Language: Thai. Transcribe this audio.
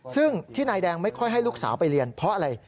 ซึ่งที่นายแดงไม่ค่อยให้ลูกสาวไปเรียนเพราะอะไร